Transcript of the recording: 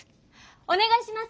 お願いします！